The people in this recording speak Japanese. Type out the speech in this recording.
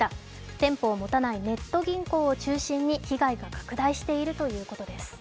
店舗を持たないネット銀行を中心に被害が拡大しているということです。